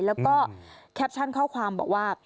แล้วก็แคปชั่นข้อความบอกว่า